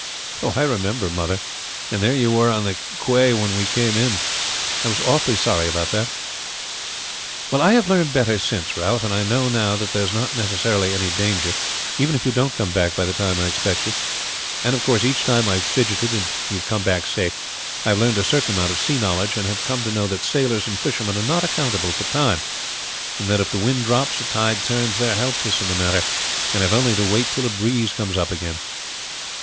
"I remember, mother; and there you were on the quay when we came in. I was awfully sorry about it." "Well, I have learned better since, Ralph; and I know now that there is not necessarily any danger, even if you don't come back by the time I expect you. And of course each time I have fidgeted and you have come back safe, I have learned a certain amount of sea knowledge, and have come to know that sailors and fishermen are not accountable for time; and that if the wind drops or tide turns they are helpless in the matter, and have only to wait till a breeze comes up again."